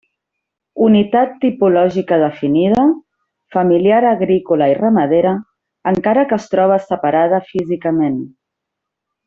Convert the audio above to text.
Unitat tipològica definida, familiar agrícola i ramadera, encara que es troba separada físicament.